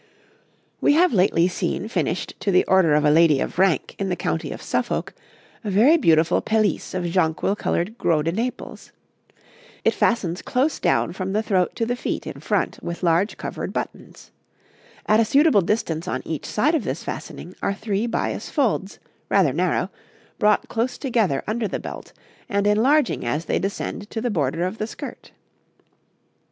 'We have lately seen finished to the order of a lady of rank in the county of Suffolk, a very beautiful pelisse of jonquil coloured gros de Naples. It fastens close down from the throat to the feet, in front, with large covered buttons; at a suitable distance on each side of this fastening are three bias folds, rather narrow, brought close together under the belt, and enlarging as they descend to the border of the skirt.